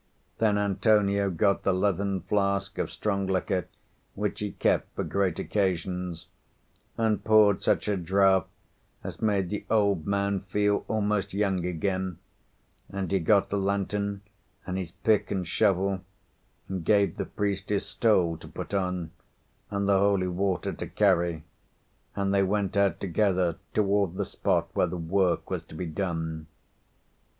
Then Antonio got the leathern flask of strong liquor, which he kept for great occasions, and poured such a draught as made the old man feel almost young again; and he got the lantern, and his pick and shovel, and gave the priest his stole to put on and the holy water to carry, and they went out together toward the spot where the work was to be done.